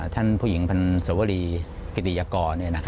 ท่านผู้หญิงภัณฑ์เสลว่าลีกิติยากร